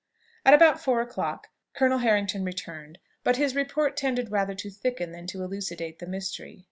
At about four o'clock Colonel Harrington returned; but his report tended rather to thicken than to elucidate the mystery.